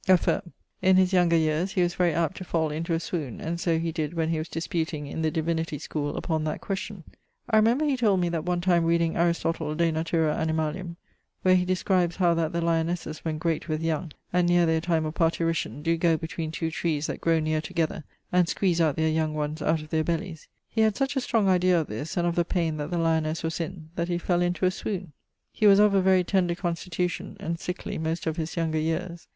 Aff. In his younger yeares he was very apt to fall into a swoune, and so he did when he was disputing in the Divinity schoole upon that question. I remember he told me that one time reading Aristotle de Natura Animalium, where he describes how that the lionesses, when great with young, and neer their time of parturition, doe goe between two trees that growe neer together, and squeeze out their young ones out of their bellies; he had such a strong idea of this, and of the paine that the lionesse was in, that he fell into a swoune. He was of a very tender constitution, and sickly most of his younger yeares.